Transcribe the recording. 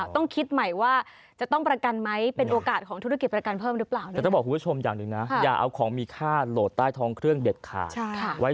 แต่ต้องพอผู้ชมอย่างนี่นะไม่เอาของมีค่าโหลดและท้องเครื่องเด็ดขาด